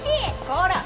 こら！